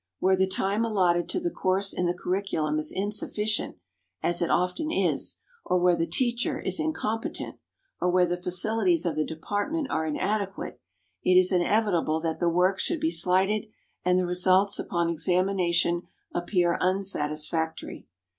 Where the time allotted to the course in the curriculum is insufficient, as it often is, or where the teacher is incompetent, or where the facilities of the department are inadequate, it is inevitable that the work should be slighted and the results upon examination appear unsatisfactory.